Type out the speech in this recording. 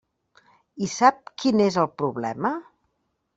I sap quin és el problema?